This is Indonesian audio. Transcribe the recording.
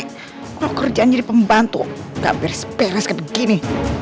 kalau kerjaan jadi pembantu gak beres beres kayak begini